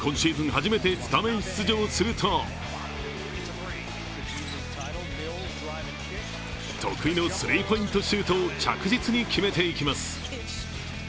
初めてスタメン出場すると得意のスリーポイントシュートを着実に決めていきます。